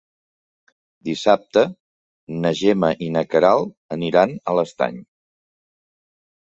Dissabte na Gemma i na Queralt aniran a l'Estany.